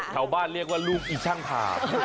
ชาวบ้านเรียกว่าลูกอีช่างภาพ